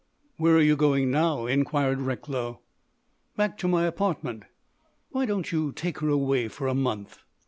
"Where are you going now?" inquired Recklow. "Back to my apartment." "Why don't you take her away for a month?"